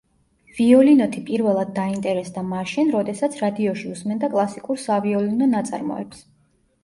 ვიოლინოთი პირველად დაინტერესდა მაშინ, როდესაც რადიოში უსმენდა კლასიკურ სავიოლინო ნაწარმოებს.